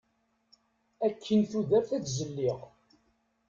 Akkin tudert ad tt-zelliɣ.